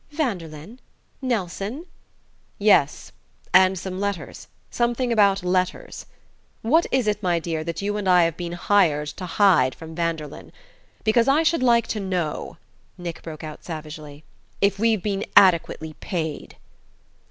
"Vanderlyn? Nelson?" "Yes and some letters... something about letters.... What is it, my dear, that you and I have been hired to hide from Vanderlyn? Because I should like to know," Nick broke out savagely, "if we've been adequately paid."